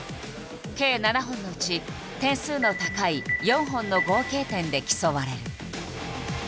計７本のうち点数の高い４本の合計点で競われる。